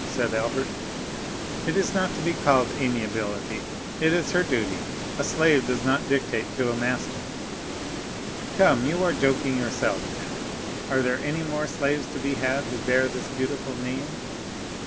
said Albert. "It is not to be called amiability, it is her duty; a slave does not dictate to a master." "Come; you are joking yourself now. Are there any more slaves to be had who bear this beautiful name?"